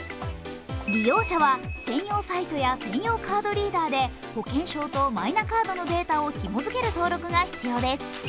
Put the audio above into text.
利用者は専用サイトや専用カードリーダーで保険証とマイナカードのデータをひも付ける登録が必要です。